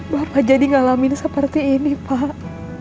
bapak jadi ngalamin seperti ini pak